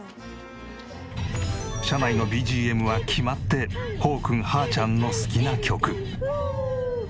車内のＢＧＭは決まってホーくんハーちゃんの好きな曲。